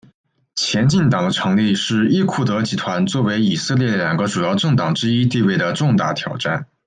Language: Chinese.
前进党的成立是利库德集团作为以色列两个主要政党之一地位的重大挑战。